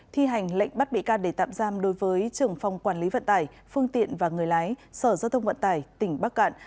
thi hành lệnh bắt bị can để tạm giam đối với trưởng phòng quản lý vận tải phương tiện và người lái sở giao thông vận tải tỉnh bắc cạn